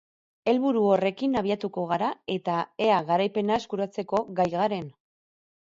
Helburu horrekin abiatuko gara eta ea garaipena eskuratzeko gai garen.